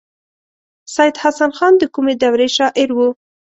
سید حسن خان د کومې دورې شاعر و.